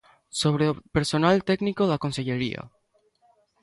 Sobre o persoal técnico da consellería.